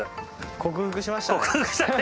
克服しましたね。